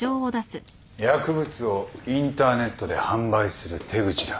薬物をインターネットで販売する手口だ。